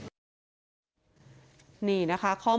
อยู่ดีมาตายแบบเปลือยคาห้องน้ำได้ยังไง